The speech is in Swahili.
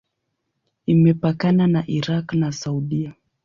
Imepakana na Irak na Saudia.